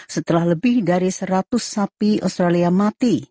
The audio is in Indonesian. setelah lebih dari seratus sapi australia mati